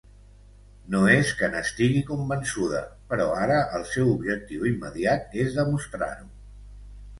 No és que n'estigui convençuda, però ara el seu objectiu immediat és demostrar-ho.